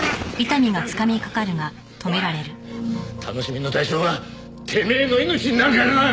楽しみの代償はてめえの命になるからな！